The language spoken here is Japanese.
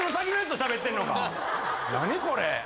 何これ？